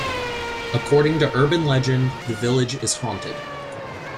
According to urban legend, the village is haunted.